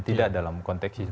tidak dalam konteks itu